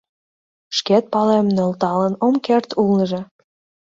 Шкат палем, нӧлталын ом керт улнеже.